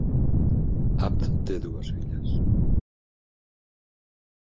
Apt té dues filles.